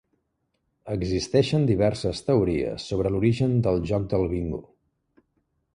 Existeixen diverses teories sobre l'origen del joc del bingo.